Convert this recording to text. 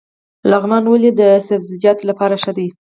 لغمان ولې د سبزیجاتو لپاره ښه دی؟